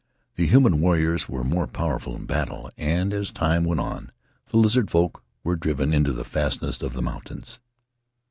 The human warriors were more powerful in battle, and as time went on the Lizard Folk were driven into the fastnesses of the mountains.